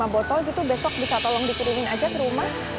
dua puluh lima botol gitu besok bisa tolong dikirimin aja ke rumah